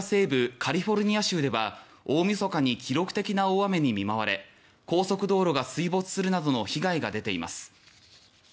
カリフォルニア州では大晦日に記録的な大雨に見舞われ高速道路が水没するなどの被害が出ています。